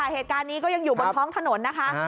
เหตุการณ์นี้ก็ยังอยู่บนท้องถนนนะคะ